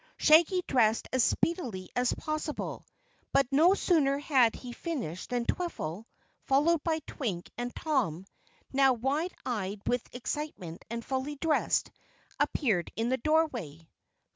Shaggy dressed as speedily as possible, but no sooner had he finished than Twiffle, followed by Twink and Tom, now wide eyed with excitement and fully dressed, appeared in the doorway.